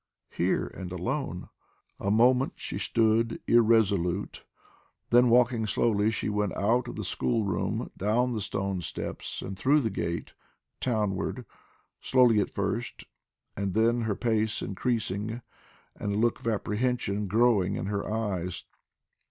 Here, and alone!" A moment she stood irresolute, then walking slowly she went out of the school room, down the stone steps, and through the gate, townward, slowly at first, and then her pace increasing, and a look of apprehension growing in her eyes.